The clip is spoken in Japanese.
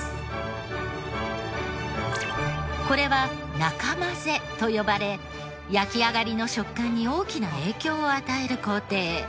これは中混ぜと呼ばれ焼き上がりの食感に大きな影響を与える工程。